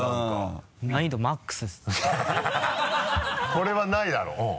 これはないだろうん。